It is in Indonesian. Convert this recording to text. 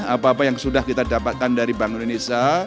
apa apa yang sudah kita dapatkan dari bank indonesia